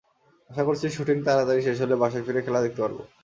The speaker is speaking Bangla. আশা করছি, শুটিং তাড়াতাড়ি শেষ হলে বাসায় ফিরে খেলা দেখতে পারব।